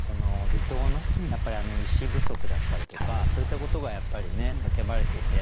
離島の医師不足だったりとかそういったことがやっぱり叫ばれていて。